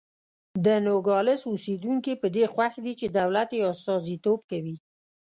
د نوګالس اوسېدونکي په دې خوښ دي چې دولت یې استازیتوب کوي.